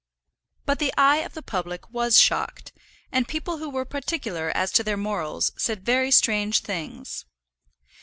But the eye of the public was shocked, and people who were particular as to their morals said very strange things.